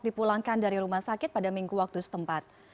dipulangkan dari rumah sakit pada minggu waktu setempat